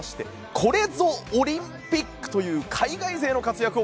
これぞオリンピックという海外勢の活躍を